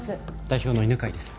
代表の犬飼です